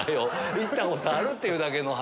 行ったことあるっていうだけの話。